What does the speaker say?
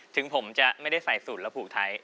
ถึงผมจะไม่ได้ใส่สูตรระผูทัย